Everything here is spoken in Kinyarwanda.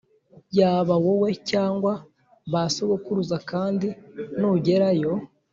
yaba wowe cyangwa ba sokuruza, kandi nugerayo